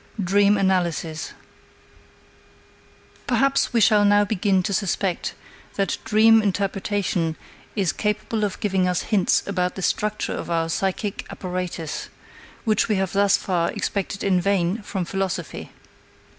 IV DREAM ANALYSIS Perhaps we shall now begin to suspect that dream interpretation is capable of giving us hints about the structure of our psychic apparatus which we have thus far expected in vain from philosophy.